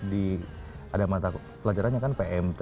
di ada mata pelajarannya kan pmp